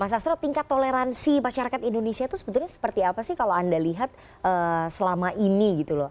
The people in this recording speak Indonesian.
mas astro tingkat toleransi masyarakat indonesia itu sebetulnya seperti apa sih kalau anda lihat selama ini gitu loh